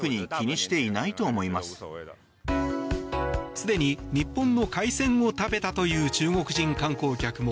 すでに日本の海鮮を食べたという中国人観光客も。